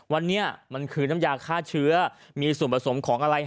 วันนี้มันคือน้ำยาฆ่าเชื้อมีส่วนผสมของอะไร